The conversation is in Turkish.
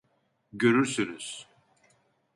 Görürsünüz.